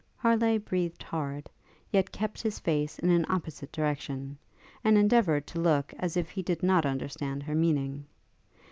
Harleigh breathed hard, yet kept his face in an opposite direction, and endeavoured to look as if he did not understand her meaning.